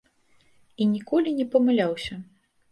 І ніколі не памыляўся.